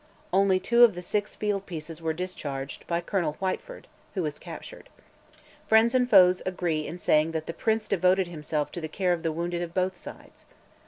Only two of the six field pieces were discharged, by Colonel Whitefoord, who was captured. Friends and foes agree in saying that the Prince devoted himself to the care of the wounded of both sides.